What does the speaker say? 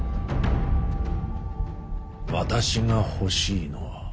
私が欲しいのは。